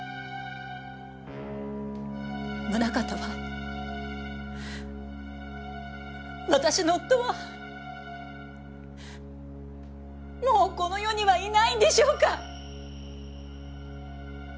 宗形は私の夫はもうこの世にはいないんでしょうか？